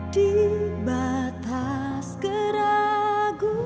di batas geraguan